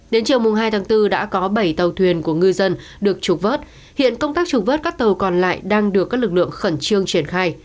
đến chiều hai tháng bốn đã có bảy tàu thuyền của ngư dân được trục vớt hiện công tác trục vớt các tàu còn lại đang được các lực lượng khẩn trương triển khai